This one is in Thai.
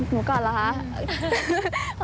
หนูก่อนแล้วค่ะ